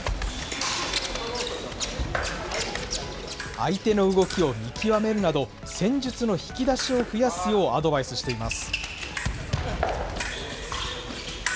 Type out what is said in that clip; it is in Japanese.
相手の動きを見極めるなど、戦術の引き出しを増やすようアドバイスしています。